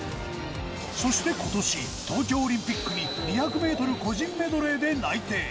そしてことし、東京オリンピックに２００メートル個人メドレーで内定。